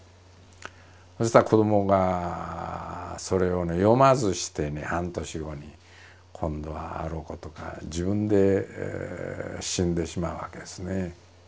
そしたら子どもがそれをね読まずしてね半年後に今度はあろうことか自分で死んでしまうわけですね。